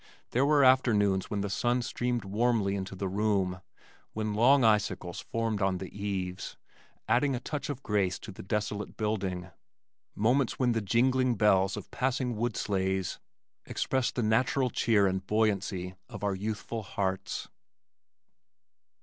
There were afternoons when the sun streamed warmly into the room, when long icicles formed on the eaves, adding a touch of grace to the desolate building, moments when the jingling bells of passing wood sleighs expressed the natural cheer and buoyancy of our youthful hearts.